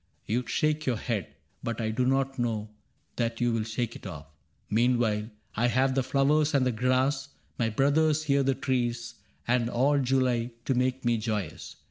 You shake your head, But I do not know that you will shake it off. ^^ Meanwhile I have the flowers and the grass,^ My brothers here the trees, and all July To make me joyous.